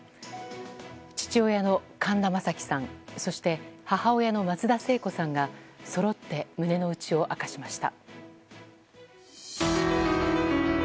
父親の神田正輝さんそして母親の松田聖子さんがそろって胸の内を明かしました。